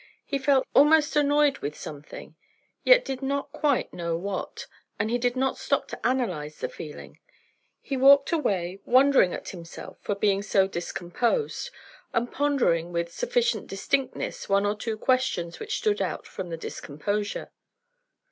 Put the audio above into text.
He felt almost annoyed with something; yet did not quite know what, and he did not stop to analyze the feeling. He walked away, wondering at himself for being so discomposed, and pondering with sufficient distinctness one or two questions which stood out from the discomposure.